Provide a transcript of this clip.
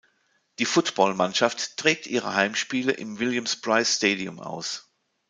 Die Footballmannschaft trägt ihre Heimspiele im Williams-Brice Stadium aus.